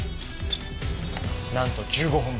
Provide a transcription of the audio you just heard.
なんと１５本分。